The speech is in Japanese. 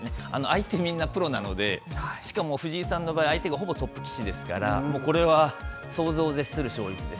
相手みんなプロなのでしかも藤井さんの場合相手はほぼトップ棋士ですからこれは想像を絶する衝撃です。